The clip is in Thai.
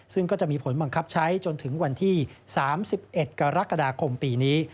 ซึ่งก็จะมีผลบังคับใช้จนถึงวันที่๓๑กรกฎาคมปีนี้